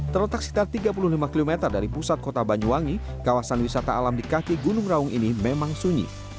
terletak sekitar tiga puluh lima km dari pusat kota banyuwangi kawasan wisata alam di kaki gunung raung ini memang sunyi